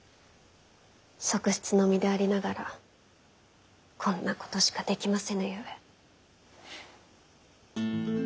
側室の身でありながらこんなことしかできませぬゆえ。